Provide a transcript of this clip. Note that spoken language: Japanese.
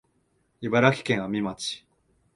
茨城県阿見町